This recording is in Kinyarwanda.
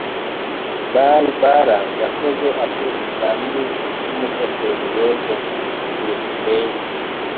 Barbara yakoze ate ku kizamini cy'umushoferi we ejo? byukusenge